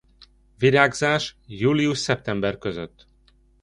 Virágzás július-szeptember között.